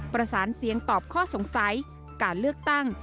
ประสานเสียงตอบข้อสงสัยการเลือกตั้ง